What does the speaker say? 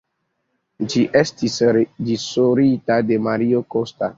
Ĝi estis reĝisorita de Mario Costa.